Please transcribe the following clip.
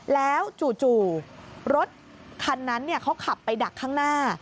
แล้วจู่รถคันนั้นเขาขับไปดักข้างหน้า